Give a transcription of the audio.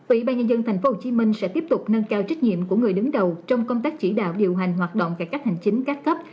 ủy ban nhân dân tp hcm sẽ tiếp tục nâng cao trách nhiệm của người đứng đầu trong công tác chỉ đạo điều hành hoạt động cải cách hành chính các cấp